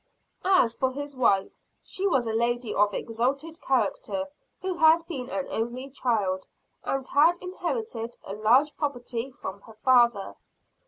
As for his wife, she was a lady of exalted character who had been an only child and had inherited a large property from her father.